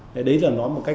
đấy là nó một cách